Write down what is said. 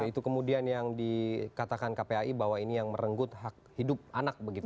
itu kemudian yang dikatakan kpai bahwa ini yang merenggut hak hidup anak begitu